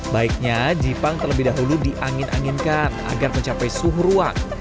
baiknya jipang terlebih dahulu diangin anginkan agar mencapai suhu ruang